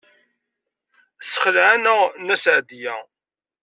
Tessexleɛ-aneɣ Nna Seɛdiya.